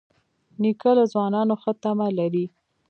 نیکه له ځوانانو ښه تمه لري.